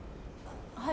はい。